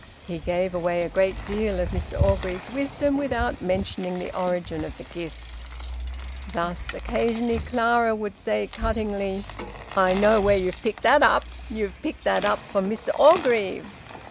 He gave away a great deal of Mr Orgreave's wisdom without mentioning the origin of the gift. Thus occasionally Clara would say cuttingly, "I know where you've picked that up. You've picked that up from Mr Orgreave."